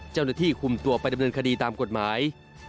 เจ้าหน้าที่คุมตัวไปดำเนินคดีตามกฎหมาย